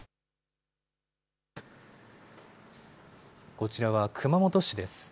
こちらは熊本市です。